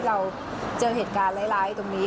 เราเจอเหตุการณ์ร้ายตรงนี้